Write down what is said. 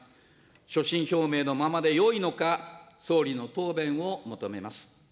所信表明のままでよいのか、総理の答弁を求めます。